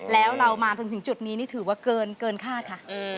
แล้วเรามาจนถึงจุดนี้นี่ถือว่าเกินคาดค่ะ